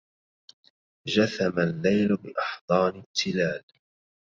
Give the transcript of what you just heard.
جثم الليل بأحضان التلال